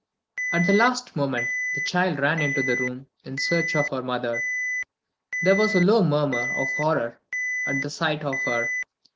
At that last moment the child ran into the room, in search of her mother. There was a low murmur of horror at the sight of her.